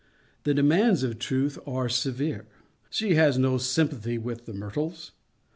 The demands of Truth are severe. She has no sympathy with the myrtles.